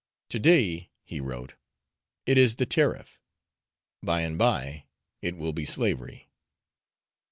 'To day,' he wrote, 'it is the tariff, by and by it will be slavery.'